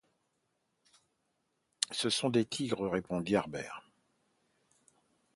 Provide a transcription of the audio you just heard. Ce sont des tigres, répondit Harbert.